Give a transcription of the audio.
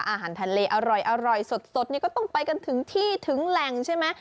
อาหารทะเลอร่อยสดนี่ก็ต้องไปกันถึงที่ถึงแหล่งใช่ไหม